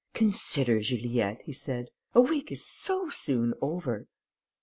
"Consider, Juliette," he said, "a week is so soon over!"